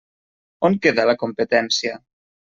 On queda la competència?